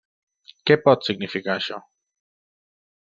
Què pot significar això?